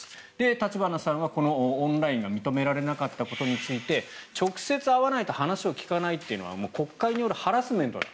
立花さんはオンラインが認められなかったことについて直接会わないと話を聞かないというのは国会によるハラスメントだと。